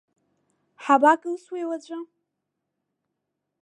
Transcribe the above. Ҳабакылсуеи уаҵәы?